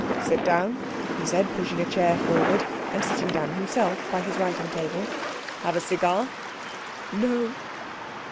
"Sit down," he said, pushing a chair forward, and sitting down himself by his writing table. "Have a cigar?" "No."